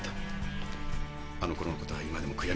あのころのことは今でも悔やみます。